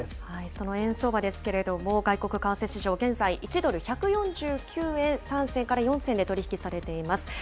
その円相場ですけれども、外国為替市場、現在１ドル１４９円３銭から４銭で取り引きされています。